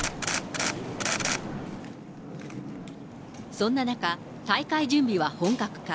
そんな中、大会準備は本格化。